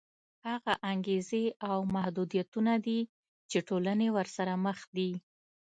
هغه انګېزې او محدودیتونه دي چې ټولنې ورسره مخ دي.